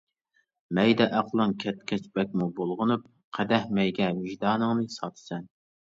مەيدە ئەقلىڭ كەتكەچ بەكمۇ بۇلغىنىپ، قەدەھ مەيگە ۋىجدانىڭنى ساتىسەن.